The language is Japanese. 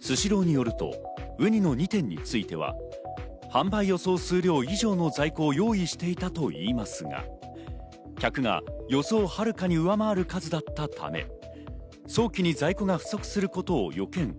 スシローによると、ウニの２点については、販売予想数量以上の在庫を用意していたといいますが、客が予想をはるかに上回る数だったため、早期に在庫が不足することを予見。